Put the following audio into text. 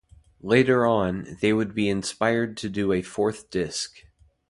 Later on, they would be inspired to do a fourth disc.